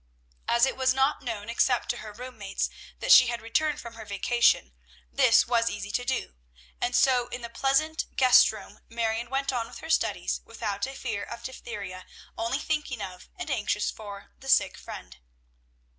As it was not known except to her room mates that she had returned from her vacation, this was easy to do; and so in the pleasant guest room Marion went on with her studies without a fear of diphtheria, only thinking of, and anxious for, the sick friend.